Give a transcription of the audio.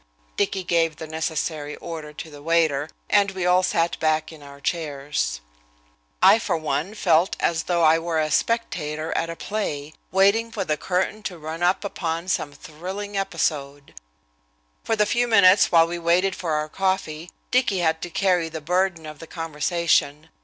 Dicky gave the necessary order to the waiter, and we all sat back in our chairs. I, for one, felt as though I were a spectator at a play, waiting for the curtain to run up upon some thrilling episode. For the few minutes while we waited for our coffee, Dicky had to carry the burden of the conversation.